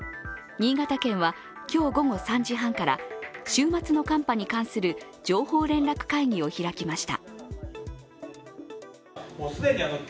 新潟県は今日午後３時半から週末の寒波に関する情報連絡会議を開きました。